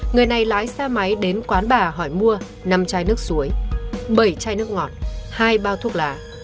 người này lái xe máy đến quán bà hỏi mua năm chai nước suối bảy chai nước ngọt hai bao thuốc lá